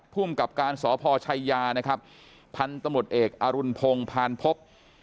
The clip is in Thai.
ภูมิกับการสพชัยยานะครับพันธุ์ตำรวจเอกอรุณพงศ์พานพบ